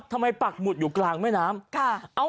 ปักหมุดอยู่กลางแม่น้ำ